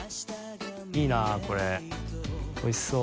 いいこれおいしそう。